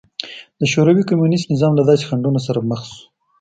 د شوروي کمونېست نظام له داسې خنډونو سره مخ شو